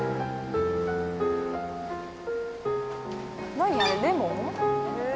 何あれレモン？